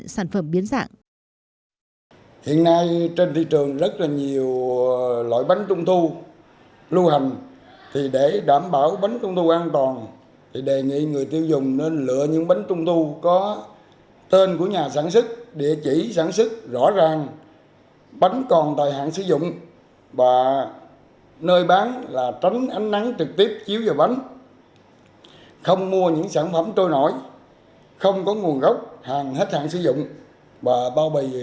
các quy định đối với người lao động đồng thời đoàn không chọn mua những sản phẩm trôi nổi không rõ nguyên liệu phụ da